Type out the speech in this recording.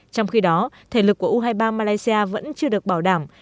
trong khi đó thể lực của u hai mươi ba malaysia vẫn chưa được bảo đảm